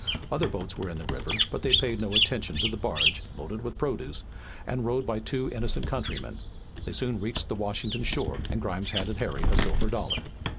Other boats were in the river, but they paid no attention to the barge, loaded with produce, and rowed by two innocent countrymen. They soon reached the Washington shore, and Grimes handed Harry a silver dollar.